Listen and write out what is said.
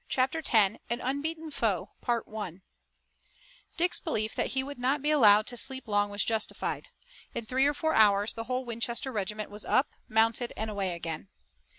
CHAPTER X AN UNBEATEN FOE Dick's belief that he would not be allowed to sleep long was justified. In three or four hours the whole Winchester regiment was up, mounted and away again.